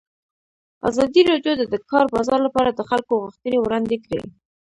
ازادي راډیو د د کار بازار لپاره د خلکو غوښتنې وړاندې کړي.